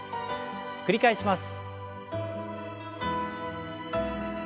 繰り返します。